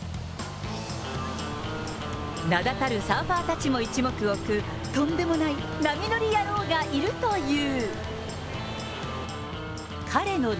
名だたるサーファーたちも一目置く、とんでもない波乗りやろうがいるという。